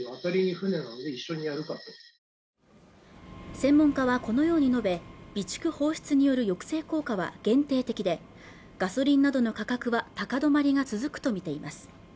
専門家はこのように述べ備蓄放出による抑制効果は限定的でガソリンなどの価格は高止まりが続くとみています